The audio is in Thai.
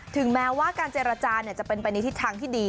ถึงแม้ว่าการเจรจาจะเป็นไปในทิศทางที่ดี